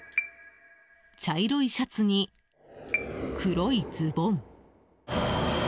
茶色いシャツに黒いズボン。